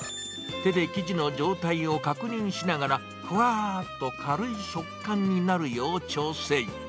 手で生地の状態を確認しながら、ふわーっと軽い食感になるよう調整。